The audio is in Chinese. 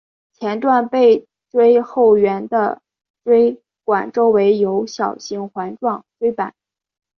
前段背椎后缘的椎管周围有小型环状椎版。